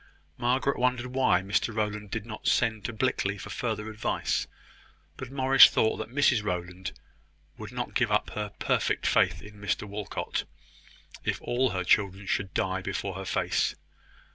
Margaret wondered why Mr Rowland did not send to Blickley for further advice: but Morris thought that Mrs Rowland would not give up her perfect faith in Mr Walcot, if all her children should die before her face.